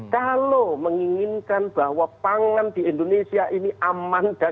kalau menginginkan bahwa pangan tidak bisa dihubungkan dengan pangan itu tidak akan berhasil